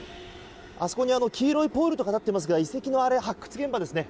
あそこに黄色いポールが立っていますが遺跡の発掘現場ですね。